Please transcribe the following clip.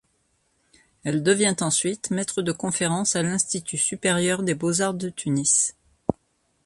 Elle devient ensuite maître de conférences à l'Institut supérieur des beaux-arts de Tunis.